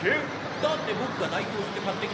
だってボクがだいひょうして買ってきたんだ。